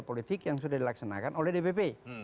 politik yang sudah dilaksanakan oleh dpp